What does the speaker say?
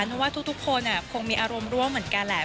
เพราะว่าทุกคนคงมีอารมณ์ร่วมเหมือนกันแหละ